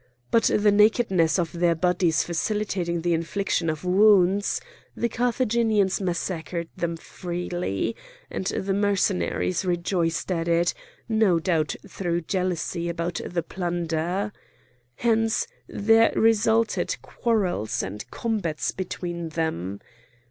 But the nakedness of their bodies facilitating the infliction of wounds, the Carthaginians massacred them freely; and the Mercenaries rejoiced at it, no doubt through jealousy about the plunder. Hence there resulted quarrels and combats between them.